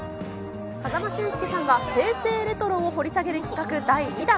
風間俊介さんが平成レトロを掘り下げる企画第２弾。